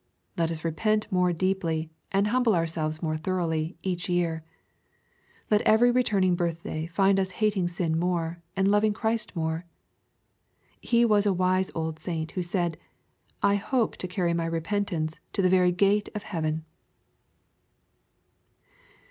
Let us repent more deeply, and hum ble ourselves more thoroughly, every year. Let every returning birthday find us hating sin more, and loving Christ more. He was a wise old saint who said, " I hope to carry my repentance to the very gate of heaven."